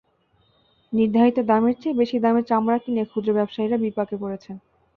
নির্ধারিত দামের চেয়ে বেশি দামে চামড়া কিনে ক্ষুদ্র ব্যবসায়ীরা বিপাকে পড়েছেন।